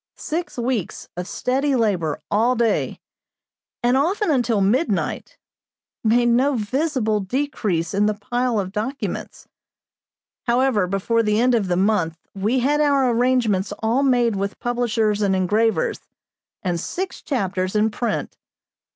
Six weeks of steady labor all day, and often until midnight, made no visible decrease in the pile of documents. However, before the end of the month we had our arrangements all made with publishers and engravers, and six chapters in print.